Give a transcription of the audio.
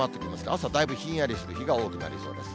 朝だいぶひんやりする日が多くなりそうです。